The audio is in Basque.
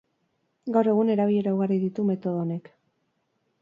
Gaur egun, erabilera ugari ditu metodo honek.